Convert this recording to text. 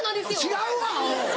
違うわアホ！